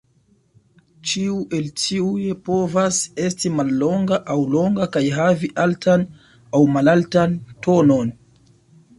Ĉiu el tiuj povas esti mallonga aŭ longa kaj havi altan aŭ malaltan tonon.